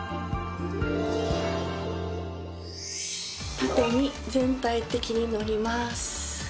縦に全体的に乗ります。